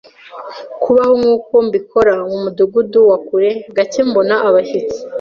Kubaho nkuko mbikora mumudugudu wa kure, gake mbona abashyitsi.